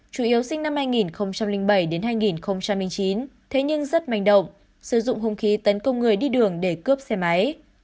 chủ yếu sinh năm hai nghìn bảy đến hai nghìn chín thế nhưng rất manh động sử dụng hung khí tấn công người đi đường để cướp xe máy